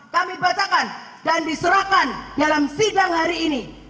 kami bacakan dan diserahkan dalam sidang hari ini